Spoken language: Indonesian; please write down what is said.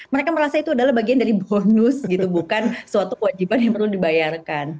mereka merasa itu adalah bagian dari bonus gitu bukan suatu kewajiban yang perlu dibayarkan